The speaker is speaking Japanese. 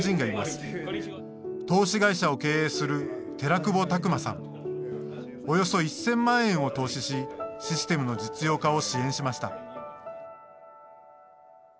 投資会社を経営するおよそ１０００万円を投資しシステムの実用化を支援しました。